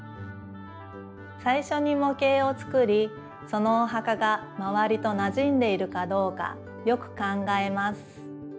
さいしょにもけいを作りそのお墓がまわりとなじんでいるかどうかよく考えます。